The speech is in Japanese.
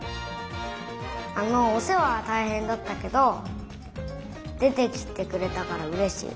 あのおせわはたいへんだったけどでてきてくれたからうれしい。